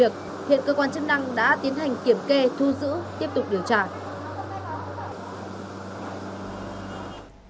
hiện cơ quan chức năng đã tiến hành kiểm kê thu giữ tiếp tục điều tra